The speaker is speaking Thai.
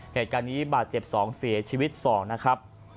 เหตุการณ์นี้บาดเจ็บ๒เสียชีวิต๒นะครับ